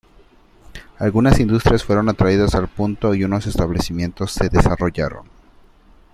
Algunas industrias fueron atraídas al punto y unos establecimientos se desarrollaron.